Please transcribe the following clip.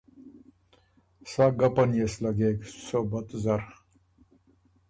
سَۀ ګپن يې سو لګېک صوبت زر۔